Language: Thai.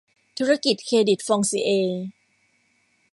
ธุรกิจเครดิตฟองซิเอร์